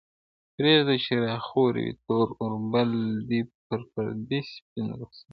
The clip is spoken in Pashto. پرېږده چي را خور وي تور اوربل دي پر دې سپین رخسار-